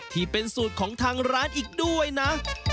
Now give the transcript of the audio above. ที่เป็นสูตรของทางร้านอีกด้วยนะ